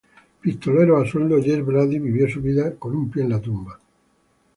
Pistolero a sueldo, Jess Brady vivió su vida con un pie en la tumba.